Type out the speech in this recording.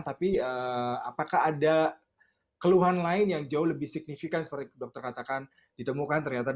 tapi apakah ada keluhan lain yang jauh lebih signifikan seperti dokter katakan ditemukan ternyata